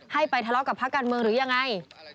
ให้ไปทะเลาะกับพักการเมืองหรืออย่างไร